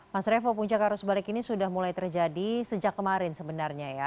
mas revo puncak arus balik ini sudah mulai terjadi sejak kemarin sebenarnya ya